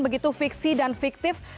begitu fiksi dan fiktif